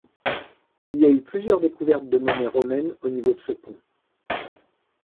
Il y a eu plusieurs découvertes de monnaies romaines au niveau de ce pont.